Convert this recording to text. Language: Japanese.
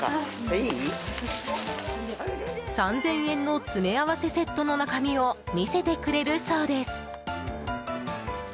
３０００円の詰め合わせセットの中身を見せてくれるそうです。